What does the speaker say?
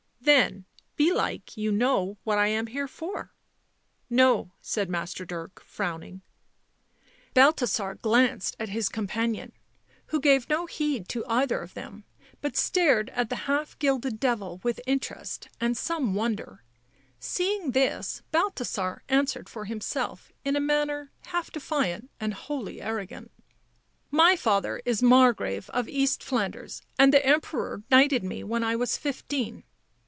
" Then, belike, you know what I am here for?" 11 No," said Master Dirk, frowning. Balthasar glanced at his companion, who gave no heed to either of them, but stared at the half gilded devil with interest and some wonder ; seeing this, Bal thasar answered for himself, in a manner half defiant and wholly arrogant. " My father is Margrave of East Flanders, and the Emperor knighted me when I was fifteen.